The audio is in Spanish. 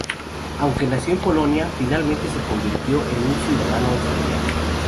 Aunque nació en Polonia, finalmente se convirtió en un ciudadano australiano.